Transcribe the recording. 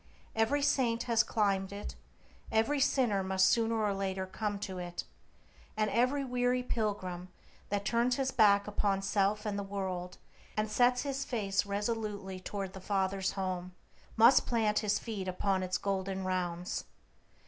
Every saint has climbed it; every sinner must sooner or later come to it, and every weary pilgrim that turns his back upon self and the world, and sets his face resolutely toward the Father's Home, must plant his feet upon its golden rounds.